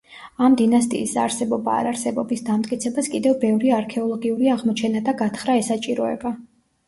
ამ დინასტიის არსებობა-არარსებობის დამტკიცებას კიდევ ბევრი არქეოლოგიური აღმოჩენა და გათხრა ესაჭიროება.